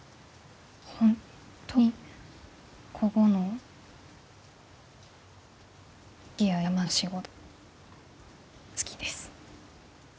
本当にこごの木や山の仕事好きです。